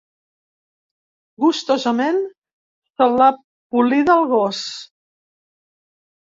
Gustosament se l’ha polida el gos.